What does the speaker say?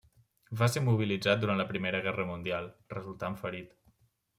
Va ser mobilitzat durant la Primera Guerra Mundial, resultant ferit.